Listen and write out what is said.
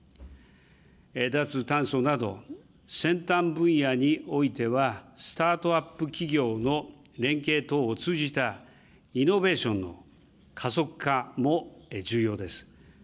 脱炭素など先端分野においては、スタートアップ企業の連携等を通じたイノベーションの加速化も重要です。